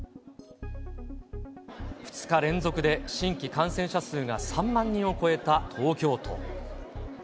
２日連続で新規感染者数が３万人を超えた東京都。